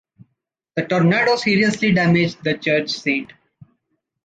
The tornado seriously damaged the church St.